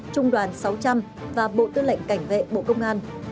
trung đoàn sáu trăm linh và bộ tư lệnh cảnh vệ bộ công an